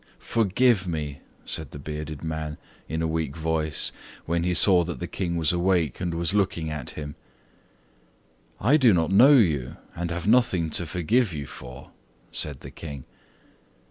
"Forgive me!" said the bearded man in a weak voice, when he saw that the King was awake and was looking at him. "I do not know you, and have nothing to forgive you for," said the King.